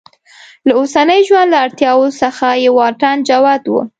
له اوسني ژوند له اړتیاوو څخه یې واټن جوت و.